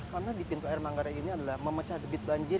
karena di pintu air manggarai ini adalah memecah debit banjir